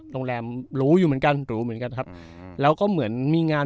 โรงแรมรู้อยู่เหมือนกันรู้เหมือนกันครับแล้วก็เหมือนมีงาน